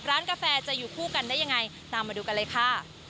กาแฟจะอยู่คู่กันได้ยังไงตามมาดูกันเลยค่ะ